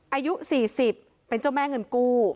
อายุ๔๐เป็นเจ้าแม่เงินกู้